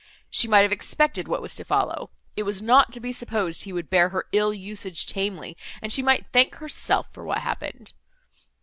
She might have expected what was to follow; it was not to be supposed he would bear her ill usage tamely, and she might thank herself for what happened.